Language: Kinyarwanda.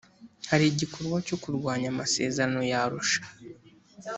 hari igikorwa cyo kurwanya amaserano y arusha